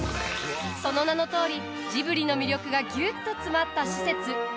その名のとおりジブリの魅力がぎゅっと詰まった施設。